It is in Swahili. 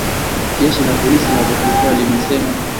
jeshi la polisi la cote de voire limesema